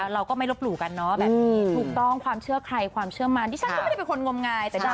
เราก็ไมโลบหลู่กันเนาะถูกต้องความเชื่อใครความเชื่อมัน